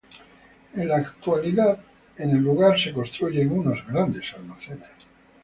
En la actualidad, en el lugar se construyen unos grandes almacenes.